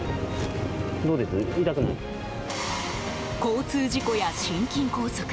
交通事故や心筋梗塞。